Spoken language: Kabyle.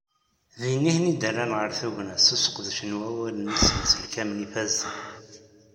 Din i ten-id-rran ɣer tugna s useqdec n wallalen isenselkamen ifazen.